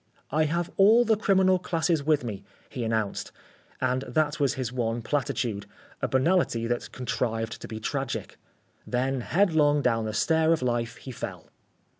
"I have all the criminal classes with me," he announced, and that was his one platitude, a banality that contrived to be tragic. Then headlong down the stair of life he fell.